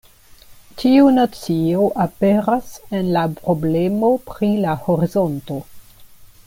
Tiu nocio aperas en la problemo pri la horizonto.